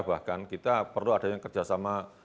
bahkan kita perlu ada yang kerjasama